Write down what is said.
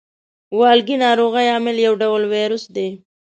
والګی ناروغۍ عامل یو ډول ویروس دی.